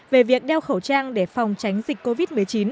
về việc đeo khẩu trang để phòng tránh dịch covid một mươi chín